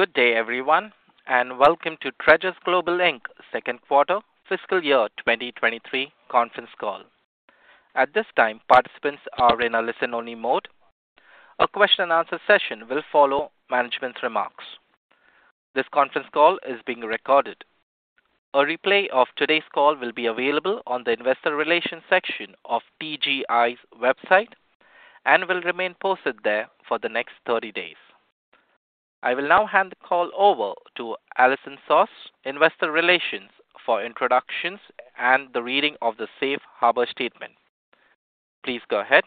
Good day everyone. Welcome to Treasure Global, Inc. second quarter fiscal year 2023 conference call. At this time, participants are in a listen-only mode. A question and answer session will follow management's remarks. This conference call is being recorded. A replay of today's call will be available on the Investor Relations section of TGI's website and will remain posted there for the next 30 days. I will now hand the call over to Allison Soss, Investor Relations, for introductions and the reading of the safe harbor statement. Please go ahead.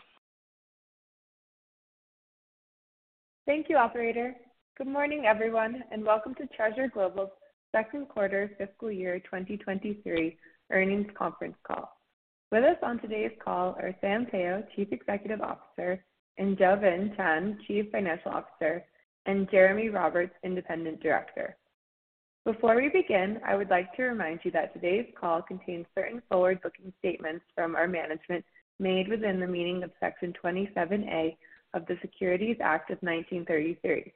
Thank you, operator. Good morning, everyone, and welcome to Treasure Global second quarter fiscal year 2023 earnings conference call. With us on today's call are Sam Teo, Chief Executive Officer, and Jaylvin Chan, Chief Financial Officer, and Jeremy Roberts, Independent Director. Before we begin, I would like to remind you that today's call contains certain forward-looking statements from our management made within the meaning of Section 27A of the Securities Act of 1933,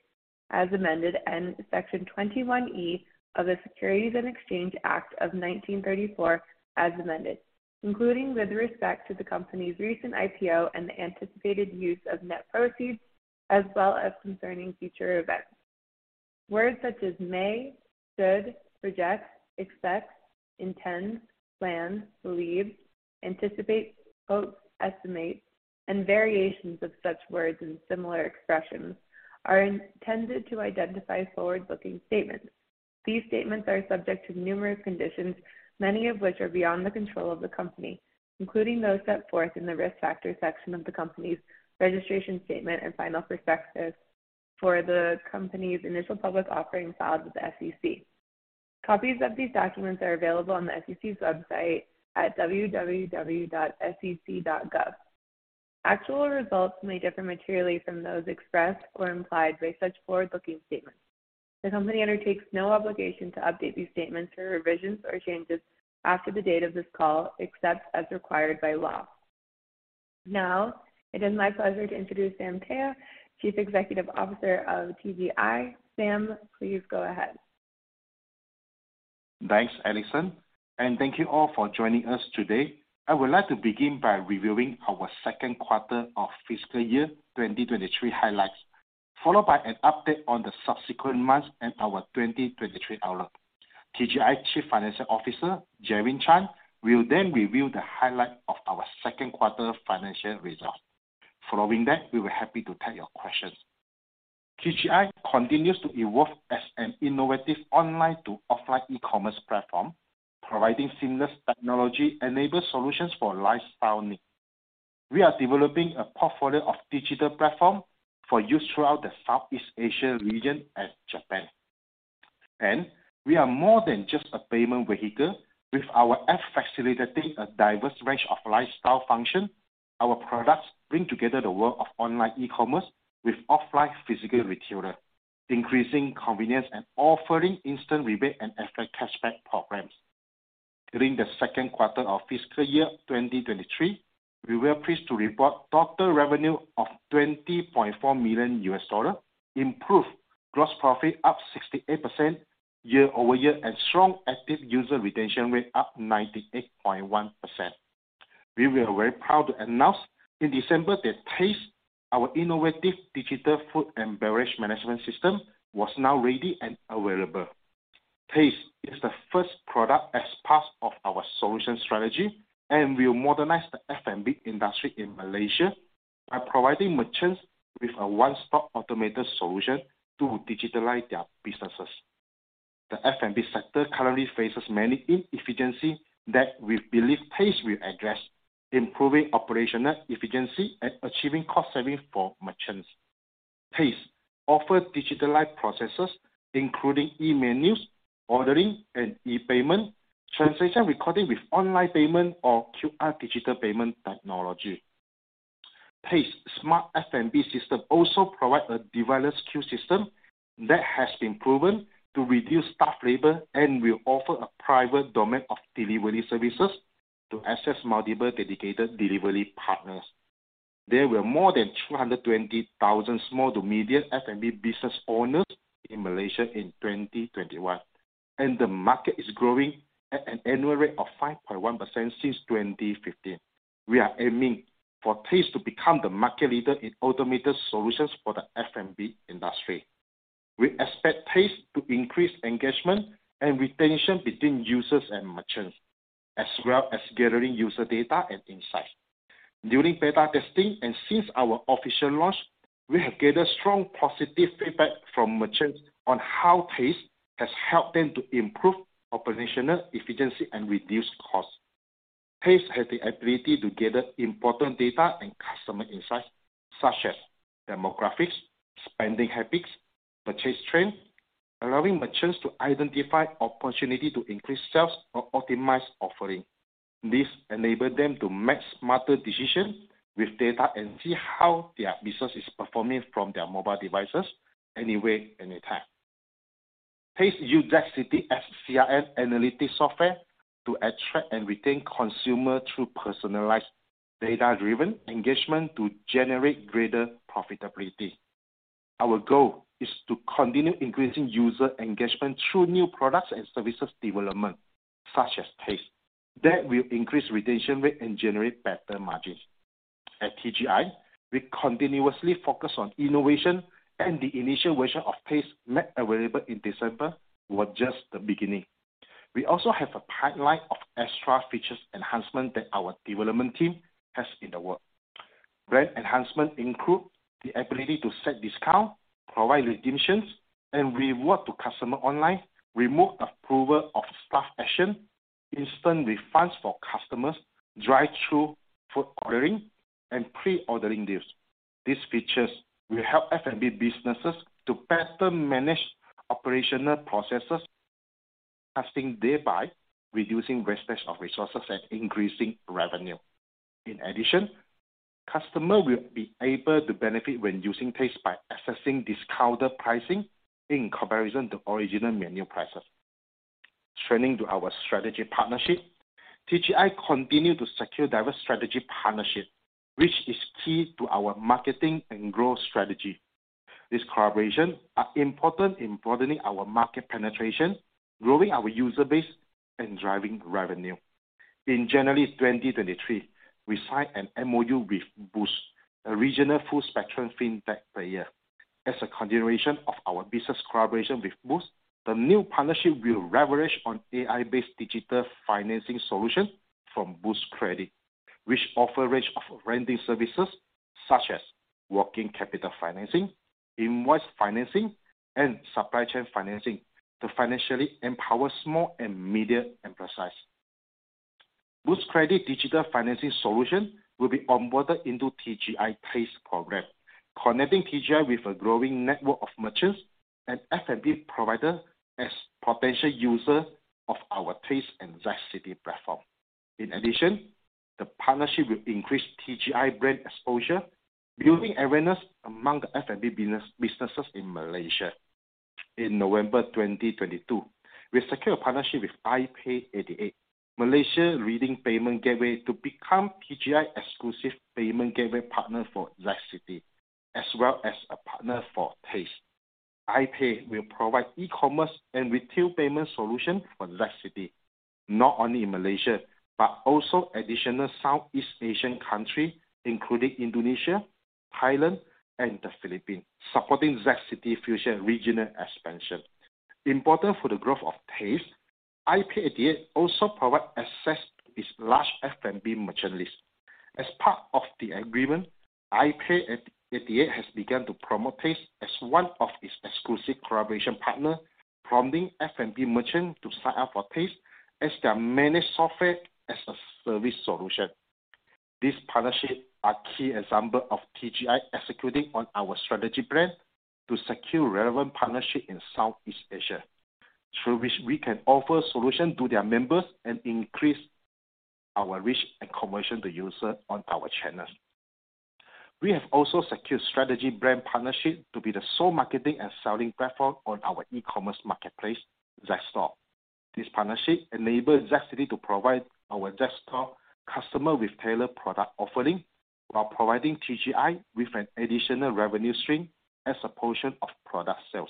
as amended, and Section 21E of the Securities Exchange Act of 1934, as amended, including with respect to the company's recent IPO and the anticipated use of net proceeds, as well as concerning future events. Words such as may, should, project, expect, intend, plan, believe, anticipate, quote, estimate, and variations of such words and similar expressions are intended to identify forward-looking statements. These statements are subject to numerous conditions, many of which are beyond the control of the company, including those set forth in the Risk Factors section of the company's registration statement and final prospectus for the company's initial public offering filed with the SEC. Copies of these documents are available on the SEC's website at www.sec.gov. Actual results may differ materially from those expressed or implied by such forward-looking statements. The company undertakes no obligation to update these statements or revisions or changes after the date of this call, except as required by law. Now, it is my pleasure to introduce Sam Teo, Chief Executive Officer of TGI. Sam, please go ahead. Thanks, Allison Soss, thank you all for joining us today. I would like to begin by reviewing our second quarter of fiscal year 2023 highlights, followed by an update on the subsequent months and our 2023 outlook. TGI Chief Financial Officer, Jaylvin Chan, will then review the highlight of our second quarter financial results. Following that, we'll be happy to take your questions. TGI continues to evolve as an innovative online to offline e-commerce platform, providing seamless technology-enabled solutions for lifestyle needs. We are developing a portfolio of digital platform for use throughout the Southeast Asia region and Japan. We are more than just a payment vehicle. With our app facilitating a diverse range of lifestyle function, our products bring together the world of online e-commerce with offline physical retailer, increasing convenience and offering instant rebate and affiliate cashback programs. During the second quarter of fiscal year 2023, we were pleased to report total revenue of $20.4 million, improved gross profit up 68% year-over-year, strong active user retention rate up 98.1%. We were very proud to announce in December that TAZTE, our innovative digital F&B management system, was now ready and available. TAZTE is the first product as part of our solution strategy and will modernize the F&B industry in Malaysia by providing merchants with a one-stop automated solution to digitalize their businesses. The F&B sector currently faces many inefficiencies that we believe TAZTE will address, improving operational efficiency and achieving cost savings for merchants. TAZTE offers digitalized processes, including e-menus, ordering and e-payment, transaction recording with online payment or QR digital payment technology. TAZTE smart F&B system also provide a developer skill system that has been proven to reduce staff labor and will offer a private domain of delivery services to access multiple dedicated delivery partners. There were more than 220,000 small to medium F&B business owners in Malaysia in 2021, and the market is growing at an annual rate of 5.1% since 2015. We are aiming for TAZTE to become the market leader in automated solutions for the F&B industry. We expect TAZTE to increase engagement and retention between users and merchants, as well as gathering user data and insights. During beta testing and since our official launch, we have gathered strong positive feedback from merchants on how TAZTE has helped them to improve operational efficiency and reduce costs. TAZTE has the ability to gather important data and customer insights, such as demographics, spending habits, purchase trends, allowing merchants to identify opportunities to increase sales or optimize offerings. This enables them to make smarter decisions with data and see how their business is performing from their mobile devices anywhere, anytime. TAZTE use ZCITY as CRM analytics software to attract and retain consumer through personalized data-driven engagement to generate greater profitability. Our goal is to continue increasing user engagement through new products and services development, such as TAZTE, that will increase retention rate and generate better margins. At TGI, we continuously focus on innovation and the initial version of TAZTE made available in December was just the beginning. We also have a pipeline of extra features enhancement that our development team has in the work. Brand enhancement include the ability to set discount, provide redemptions, and reward to customer online, remote approval of staff action, instant refunds for customers, drive-through food ordering, and pre-ordering deals. These features will help F&B businesses to better manage operational processes, thus thereby reducing wastage of resources and increasing revenue. In addition, customer will be able to benefit when using TAZTE by accessing discounted pricing in comparison to original menu prices. Turning to our strategy partnership, TGI continue to secure diverse strategy partnership, which is key to our marketing and growth strategy. These collaborations are important in broadening our market penetration, growing our user base and driving revenue. In January 2023, we signed an MOU with Boost, a regional full-spectrum fintech player. As a continuation of our business collaboration with Boost, the new partnership will leverage on AI-based digital financing solution from Boost Credit, which offer a range of lending services such as working capital financing, invoice financing, and supply chain financing to financially empower small and medium enterprises. Boost Credit digital financing solution will be onboarded into TGI TAZTE program, connecting TGI with a growing network of merchants and F&B provider as potential user of our TAZTE and ZCITY platform. In addition, the partnership will increase TGI brand exposure, building awareness among the F&B businesses in Malaysia. In November 2022, we secured a partnership with iPay88, Malaysia leading payment gateway, to become TGI exclusive payment gateway partner for ZCITY, as well as a partner for TAZTE. iPay88 will provide e-commerce and retail payment solution for ZCITY, not only in Malaysia but also additional Southeast Asian country, including Indonesia, Thailand and the Philippines, supporting ZCITY future regional expansion. Important for the growth of TAZTE, iPay88 also provide access to its large F&B merchant list. As part of the agreement, iPay88 has begun to promote TAZTE as one of its exclusive collaboration partner, prompting F&B merchant to sign up for TAZTE as their managed software as a service solution. These partnerships are key example of TGI executing on our strategy plan to secure relevant partnership in Southeast Asia, through which we can offer solution to their members and increase our reach and conversion to user on our channels. We have also secured strategy brand partnership to be the sole marketing and selling platform on our e-commerce marketplace, Zstore. This partnership enable ZCITY to provide our Zstore customer with tailored product offering while providing TGI with an additional revenue stream as a portion of product sales.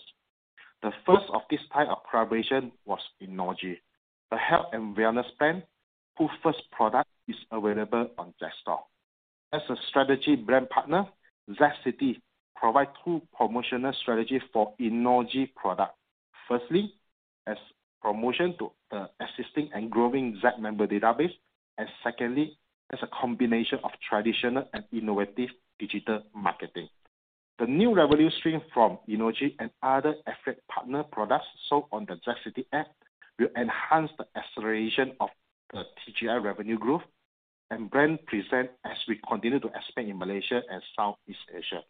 The first of this type of collaboration was Enogy, a health and wellness brand, who first product is available on Zstore. As a strategy brand partner, ZCITY provide two promotional strategies for Enogy product. Firstly, as promotion to assisting and growing ZCITY member database. Secondly, as a combination of traditional and innovative digital marketing. The new revenue stream from Enogy and other affiliate partner products sold on the ZCITY app will enhance the acceleration of the TGI revenue growth and brand presence as we continue to expand in Malaysia and Southeast Asia.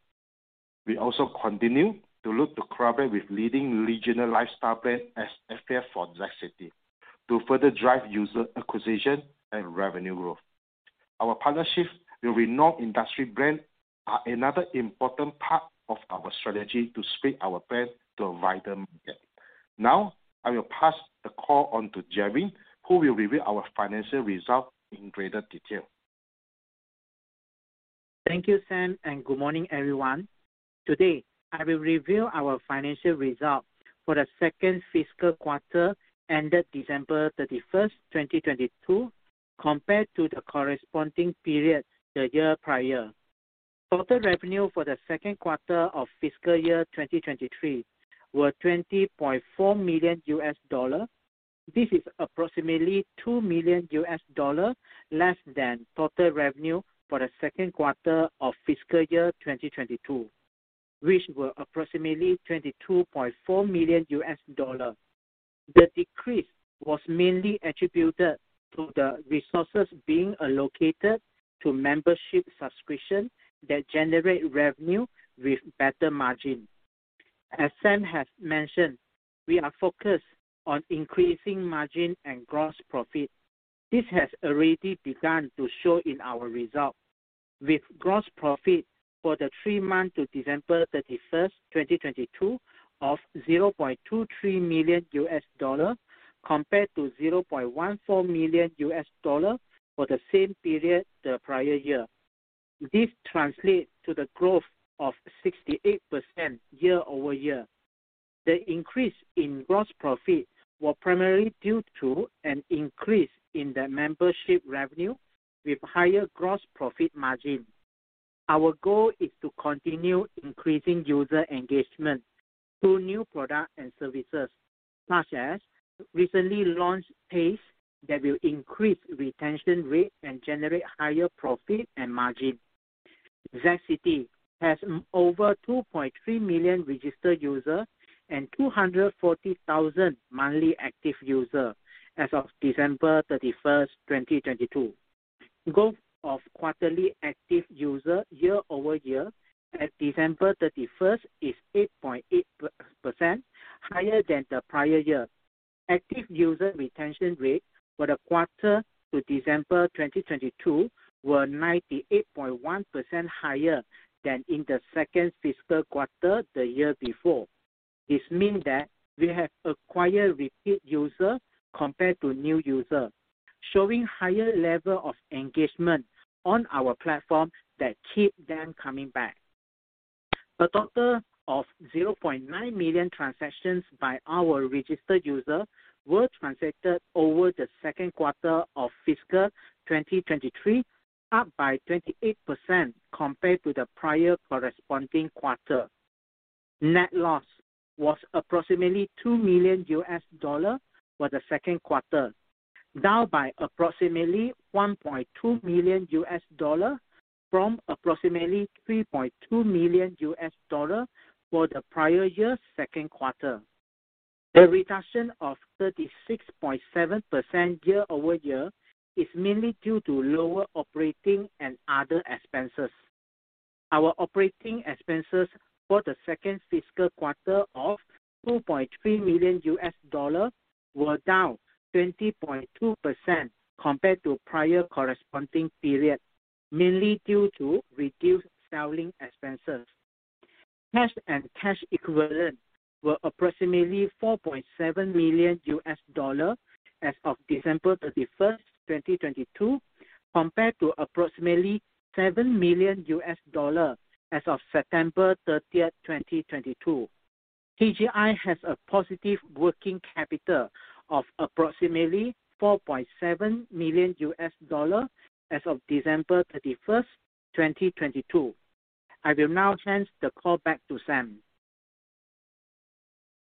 We also continue to look to collaborate with leading regional lifestyle brands as FPF for ZCITY to further drive user acquisition and revenue growth. Our partnerships with renowned industry brand are another important part of our strategy to spread our brand to a wider market. I will pass the call on to Jeremy, who will reveal our financial results in greater detail. Thank you, Sam, and good morning, everyone. Today, I will reveal our financial results for the second fiscal quarter ended December 31st, 2023, compared to the corresponding period the year prior. Total revenue for the second quarter of fiscal year 2023 were $20.4 million. This is approximately $2 million less than total revenue for the second quarter of fiscal year 2022, which were approximately $22.4 million. The decrease was mainly attributed to the resources being allocated to membership subscription that generate revenue with better margin. As Sam has mentioned, we are focused on increasing margin and gross profit. This has already begun to show in our results. With gross profit for the three months to December 31st, 2022 of $0.23 million compared to $0.14 million for the same period the prior year. This translates to the growth of 68% year-over-year. The increase in gross profit were primarily due to an increase in the membership revenue with higher gross profit margin. Our goal is to continue increasing user engagement through new product and services, such as recently launched TAZTE that will increase retention rate and generate higher profit and margin. ZCITY has over 2.3 million registered users and 240,000 monthly active users as of December 31st, 2022. Growth of quarterly active user year-over-year at December 31 is 8.8% higher than the prior year. Active user retention rate for the quarter to December 2022 were 98.1% higher than in the second fiscal quarter the year before. We have acquired repeat user compared to new user, showing higher level of engagement on our platform that keep them coming back. A total of 0.9 million transactions by our registered user were transacted over the second quarter of fiscal 2023, up by 28% compared to the prior corresponding quarter. Net loss was approximately $2 million for the second quarter, down by approximately $1.2 million from approximately $3.2 million for the prior year's second quarter. The reduction of 36.7% year-over-year is mainly due to lower operating and other expenses. Our operating expenses for the second fiscal quarter of $2.3 million were down 20.2% compared to prior corresponding period, mainly due to reduced selling expenses. Cash and cash equivalents were approximately $4.7 million as of December 31st, 2022, compared to approximately $7 million as of September 30th, 2022. TGI has a positive working capital of approximately $4.7 million as of December 31st, 2022. I will now hand the call back to Sam.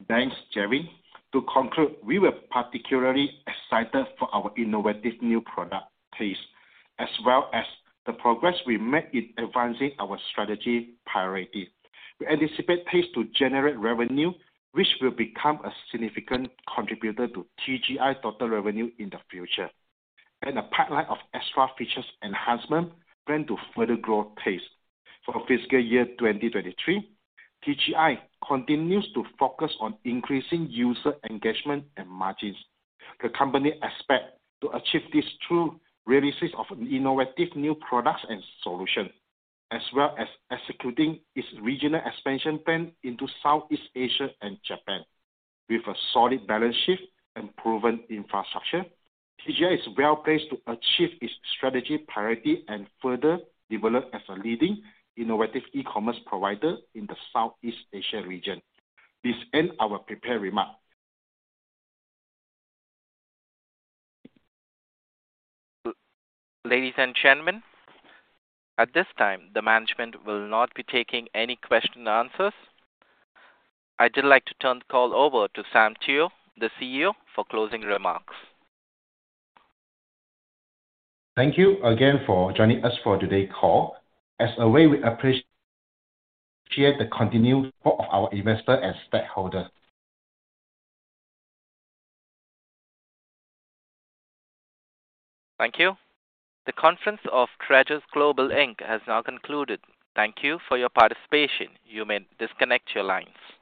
Thanks, Jaylvin. To conclude, we were particularly excited for our innovative new product, TAZTE, as well as the progress we made in advancing our strategy priority. We anticipate TAZTE to generate revenue, which will become a significant contributor to TGI total revenue in the future. A pipeline of extra features enhancement plan to further grow TAZTE. For fiscal year 2023, TGI continues to focus on increasing user engagement and margins. The company expect to achieve this through releases of innovative new products and solution, as well as executing its regional expansion plan into Southeast Asia and Japan. With a solid balance sheet and proven infrastructure, TGI is well-placed to achieve its strategy priority and further develop as a leading innovative e-commerce provider in the Southeast Asia region. This end our prepared remark. Ladies and gentlemen, at this time, the management will not be taking any question and answers. I'd just like to turn the call over to Sam Teo, the CEO, for closing remarks. Thank you again for joining us for today call. As always, we appreciate the continued support of our investor and stakeholder. Thank you. The conference of Treasure Global Inc. has now concluded. Thank you for your participation. You may disconnect your lines.